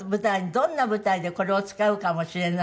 どんな舞台でこれを使うかもしれないから。